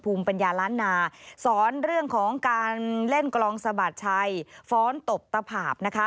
ปัญญาล้านนาสอนเรื่องของการเล่นกลองสะบัดชัยฟ้อนตบตะพาบนะคะ